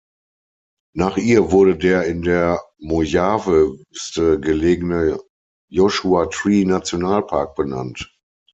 Nach ihr wurde der in der "Mojave-Wüste" gelegene Joshua-Tree-Nationalpark benannt.